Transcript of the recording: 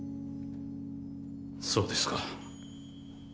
そうですか。